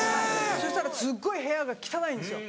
そしたらすっごい部屋が汚いんですよ。